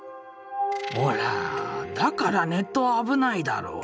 だからネットは危ないだろう。